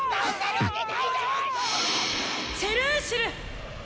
チェルーシル！